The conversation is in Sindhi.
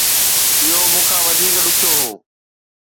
اهو مون کان وڌيڪ ڏکيو هو